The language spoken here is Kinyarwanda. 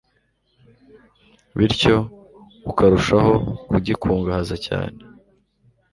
bityo ukarushaho kugikungahaza cyane